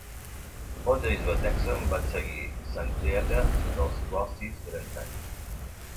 Onze bisbes d'Hexham van seguir Santa Eata, dels quals sis eren sants.